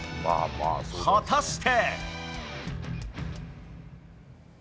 果たして。